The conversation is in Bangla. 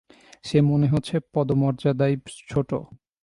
সে মনে হচ্ছে পদমর্যাদায় ছোট।